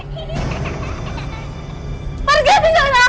pergi tinggal dengan aku keluar kamu